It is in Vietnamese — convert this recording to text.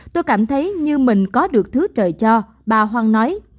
tôi cảm thấy như mình có được thứ trời cho bà hoang nói